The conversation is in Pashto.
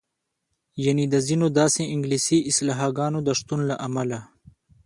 یعنې د ځینو داسې انګلیسي اصطلاحګانو د شتون له امله.